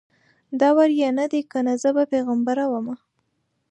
دور یې نه دی کنه زه به پیغمبره ومه